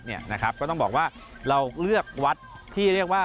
เนี่ยนะครับก็ต้องบอกว่าเราเลือกวัดที่เรียกว่า